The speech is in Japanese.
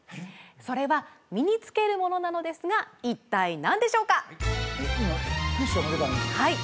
それは身に着けるものなのですが一体何でしょうか？